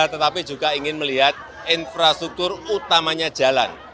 tetapi juga ingin melihat infrastruktur utamanya jalan